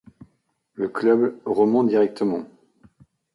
Le club remont directement.